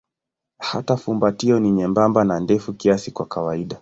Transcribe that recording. Hata fumbatio ni nyembamba na ndefu kiasi kwa kawaida.